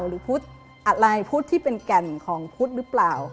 หรือพุทธอะไรพุทธที่เป็นแก่นของพุทธหรือเปล่า